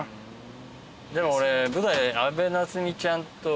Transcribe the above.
でも俺舞台。